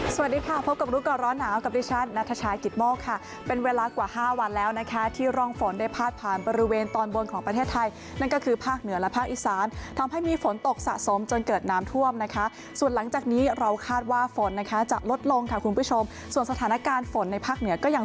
สวัสดีค่ะพบกับรู้ก่อนร้อนหนาวกับดิฉันนัทชายกิตโมกค่ะเป็นเวลากว่าห้าวันแล้วนะคะที่ร่องฝนได้พาดผ่านบริเวณตอนบนของประเทศไทยนั่นก็คือภาคเหนือและภาคอีสานทำให้มีฝนตกสะสมจนเกิดน้ำท่วมนะคะส่วนหลังจากนี้เราคาดว่าฝนนะคะจะลดลงค่ะคุณผู้ชมส่วนสถานการณ์ฝนในภาคเหนือก็ยัง